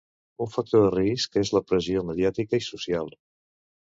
Un factor de risc és la pressió mediàtica i social.